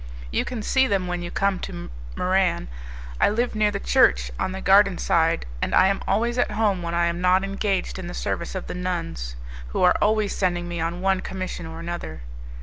You can see them when you come to Muran. I live near the church, on the garden side, and I am always at home when I am not engaged in the service of the nuns, who are always sending me on one commission or another.